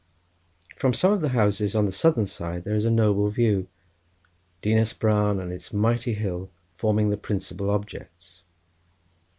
From some of the houses on the southern side there is a noble view—Dinas Bran and its mighty hill forming the principal objects.